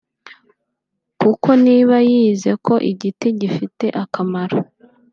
kuko niba yize ko igiti gifite akamaro